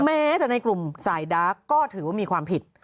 แม้แต่ในกลุ่มสายดาร์กก็ถือว่ามีความผิด